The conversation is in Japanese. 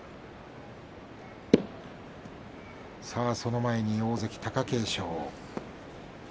その前に大関貴景勝。